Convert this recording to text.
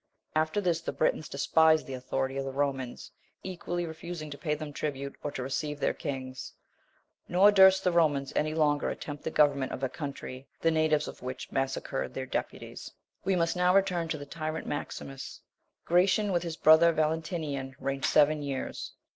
After this, the Britons despised the authority of the Romans, equally refusing to pay them tribute, or to receive their kings; nor durst the Romans any longer attempt the government of a country, the natives of which massacred their deputies. 29. We must now return to the tyrant Maximus. Gratian, with his brother Valentinian, reigned seven years.